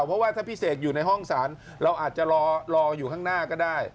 เพราะว่าถ้าพี่เสกอยู่ในห้องสารเราอาจจะรออยู่ข้างหน้าก็ได้